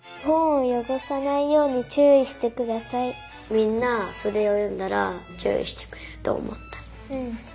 みんなそれをよんだらちゅういしてくれるとおもった。